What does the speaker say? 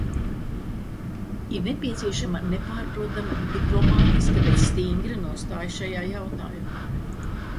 Ir nepieciešama nepārprotama diplomātiska, bet stingra nostāja šajā jautājumā.